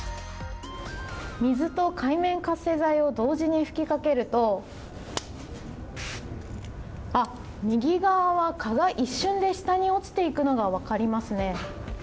水と界面活性剤を同時に吹きかけると右側は蚊が一瞬で下に落ちていくのが分かりますね。